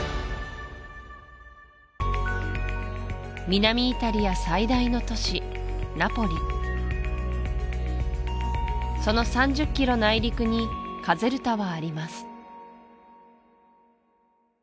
南イタリア最大の都市ナポリその３０キロ内陸にカゼルタはあります